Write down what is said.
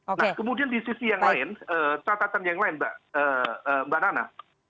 nah kemudian di sisi yang lain catatan yang lain mbak nana